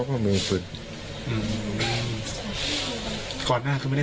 แล้วทำไมเราถึงยิงไปตอนนั้น